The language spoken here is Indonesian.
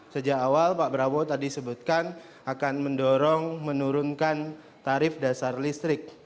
sejak awal pak prabowo tadi sebutkan akan mendorong menurunkan tarif dasar listrik